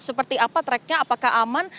seperti apa tracknya apakah aman